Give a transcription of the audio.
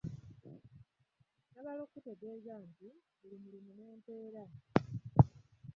Njagala okukutegeeza nti buli mulimu n'empeera.